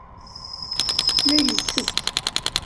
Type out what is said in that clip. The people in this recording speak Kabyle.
La ittett.